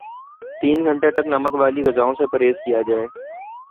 تین گھنٹوں تک نمک والی غذاوں سے پرہیز کیا جائے